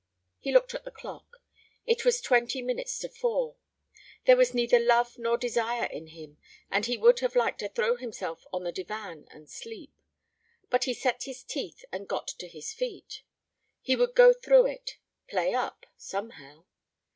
He looked at the clock. It was twenty minutes to four. There was neither love nor desire in him and he would have liked to throw himself on the divan and sleep. But he set his teeth and got to his feet. He would go through it, play up, somehow.